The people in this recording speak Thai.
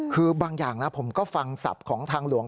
คือบางอย่างนะผมก็ฟังศัพท์ของทางหลวง